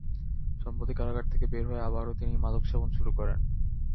সম্প্রতি কারাগার থেকে বের হয়ে আবারও তিনি মাদক সেবন শুরু করেন।